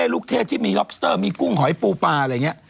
ลูกเทพที่มีล็อบสเตอร์มีกุ้งหอยปูปลาอะไรอย่างนี้